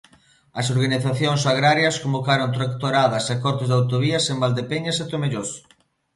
As organizacións agrarias convocaron tractoradas e cortes de autovías en Valdepeñas e Tomelloso.